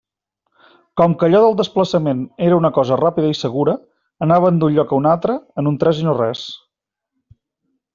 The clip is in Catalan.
Com que allò del desplaçament era una cosa ràpida i segura, anaven d'un lloc a un altre en un tres i no res.